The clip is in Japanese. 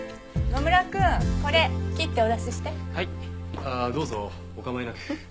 ああどうぞお構いなく。